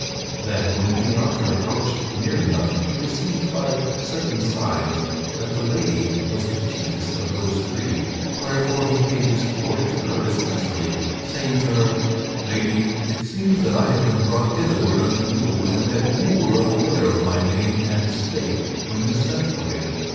Then when King Arthur approached near enough he perceived by certain signs that the lady was the chiefest of those three, wherefore he paid his court to her especially, saying to her: "Lady, it seems that I have been brought hitherward unto you and that you were aware of my name and estate when you sent for me.